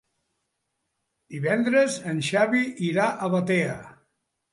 Divendres en Xavi irà a Batea.